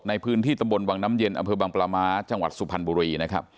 ในพื้นที่ตำบลวังน้ำเย็นอำเภอบังปลาม้าจังหวัดสุพรรณบุรีนะครับ